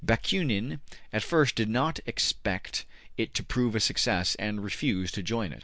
Bakunin at first did not expect it to prove a success and refused to join it.